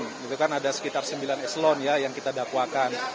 itu kan ada sekitar sembilan eselon ya yang kita dakwakan